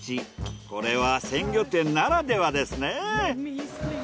これは鮮魚店ならではですねぇ。